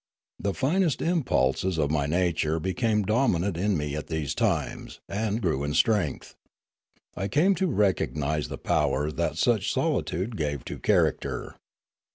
The finest impulses of my nature became dominant in me at these times and grew in strength. I cams to recognise the power that such solitude gave to character.